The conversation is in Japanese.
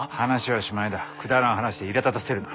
くだらん話でいらだたせるな。